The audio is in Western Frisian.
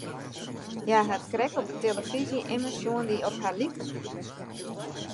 Hja hat krekt op 'e telefyzje immen sjoen dy't op har like.